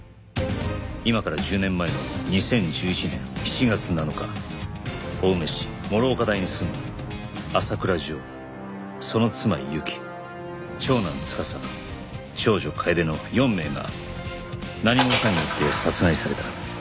今から１０年前の２０１１年７月７日青梅市師岡台に住む浅倉譲その妻・雪長男・司長女・楓の４名が何者かによって殺害された